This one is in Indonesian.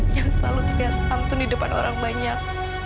yang selalu terlihat santun di depan orang banyak